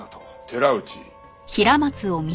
寺内？